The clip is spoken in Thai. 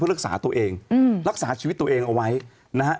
รักษาตัวเองอืมรักษาชีวิตตัวเองเอาไว้นะฮะ